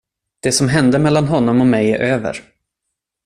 Det som hände mellan honom och mig är över.